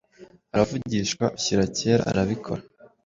aravugishwa bishyira kera arabikora